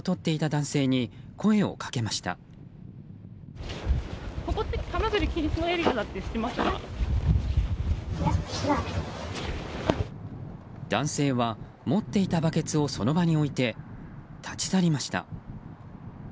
男性は持っていたバケツをその場に置いて立ち去りました。